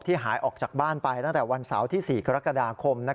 หายออกจากบ้านไปตั้งแต่วันเสาร์ที่๔กรกฎาคม